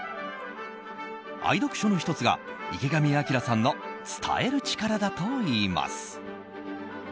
愛読書の１つが池上彰さんの「伝える力」だといいます。